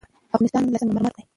افغانستان له سنگ مرمر ډک دی.